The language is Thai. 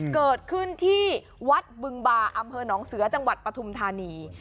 เกิดขึ้นที่วัดบึงบาอำเภอหนองเสือจังหวัดปฐุมธานี